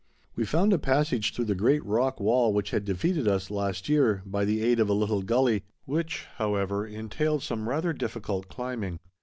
We found a passage through the great rock wall which had defeated us last year, by the aid of a little gully, which, however, entailed some rather difficult climbing.